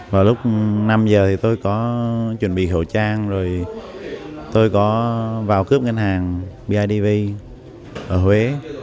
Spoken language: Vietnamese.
vào lúc năm giờ thì tôi có chuẩn bị khẩu trang rồi tôi có vào cướp ngân hàng bidv ở huế